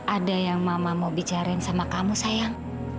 ada yang mama mau bicarain sama kamu sayang